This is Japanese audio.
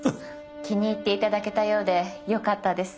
気に入っていただけたようでよかったです。